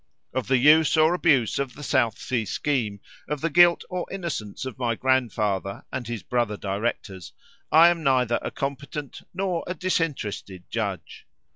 Of the use or abuse of the South Sea scheme, of the guilt or innocence of my grandfather and his brother directors, I am neither a competent nor a disinterested judge.